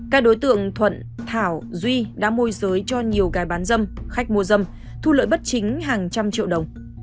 các đối tượng thuận thảo duy đã môi giới cho nhiều gái bán dâm khách mua dâm thu lợi bất chính hàng trăm triệu đồng